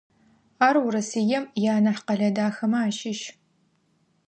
Ар Урысыем ианахь къэлэ дахэмэ ащыщ.